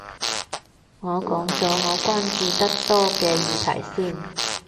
我講咗我關注得多嘅議題先